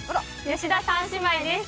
吉田三姉妹です。